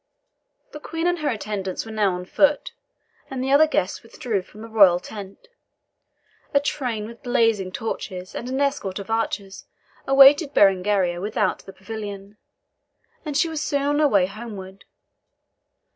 The Queen and her attendants were now on foot, and the other guests withdrew from the royal tent. A train with blazing torches, and an escort of archers, awaited Berengaria without the pavilion, and she was soon on her way homeward.